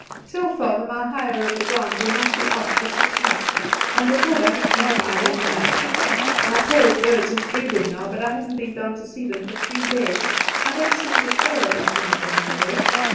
"Tell father my hire of the ground will not be out for six months, and before that Em and I will be married. My pair of birds is breeding now, but I haven't been down to see them for three days. I don't seem to care about anything any more.